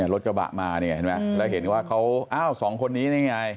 รถกระบะมาเนี่ยเห็นไหมแล้วเห็นว่าเขาอ้าวสองคนนี้นี่ไง